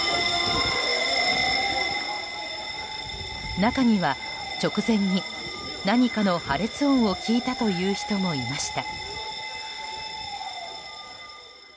中には、直前に何かの破裂音を聞いたという人もいました。